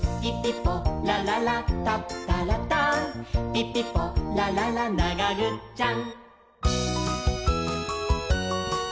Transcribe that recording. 「ピピポラララながぐっちゃん！！」